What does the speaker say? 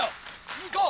行こう！